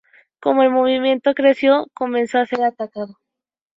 Como el movimiento creció, comenzó a ser atacado.